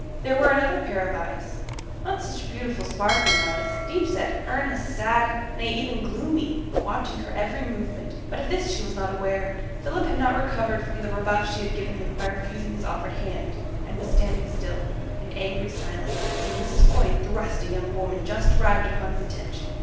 There were another pair of eyes, not such beautiful, sparkling eyes, deep set, earnest, sad, nay, even gloomy, watching her every movement; but of this she was not aware. Philip had not recovered from the rebuff she had given him by refusing his offered hand, and was standing still, in angry silence, when Mrs. Corney thrust a young woman just arrived upon his attention.